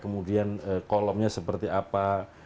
kemudian kolomnya seperti apa